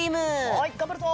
はいがんばるぞ！